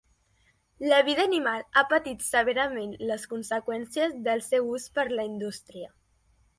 La vida animal ha patit severament les conseqüències del seu ús per la indústria.